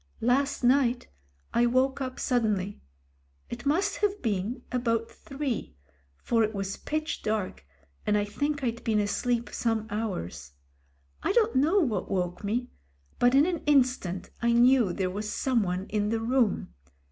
"Last night, I woke up suddenly. It must have been about three, for it was pitch dark, and I think I'd been asleep some hours. I don't know what woke me ; but in an instant I knew there was someone in the room.